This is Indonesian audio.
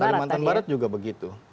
kalimantan barat juga begitu